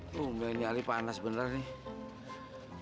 tuh mending ini hari panas bener nih